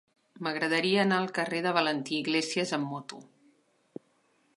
M'agradaria anar al carrer de Valentí Iglésias amb moto.